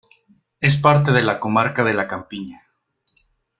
Es parte de la comarca de la Campiña.